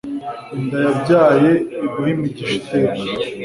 Inda yabyaye iguhe imigisha iteka